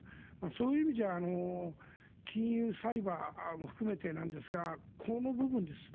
そういう意味じゃ金融、サイバーも含めてですがこの部分です。